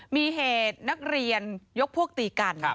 มีเหตุนักเรียนยกพวกตีกัน